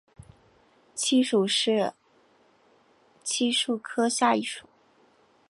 漆属是漆树科下一属。